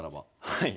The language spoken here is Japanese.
はい。